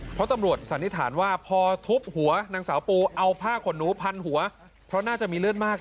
เพราะตำรวจสันนิษฐานว่าพอทุบหัวนางสาวปูเอาผ้าขนหนูพันหัวเพราะน่าจะมีเลือดมาก